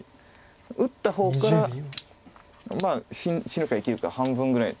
打った方からまあ死ぬか生きるか半分ぐらい。